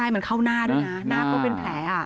มันเข้าหน้าก็เป็นแผล